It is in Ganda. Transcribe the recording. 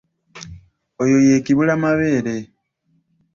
Oyo ye kibulamabeere.